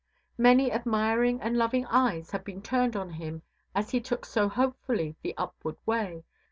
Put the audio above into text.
Many admiring and loving eyes have been turned on him as he took so hopefully the upward way.